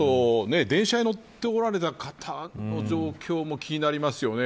電車に乗っておられた方の状況も気になりますよね。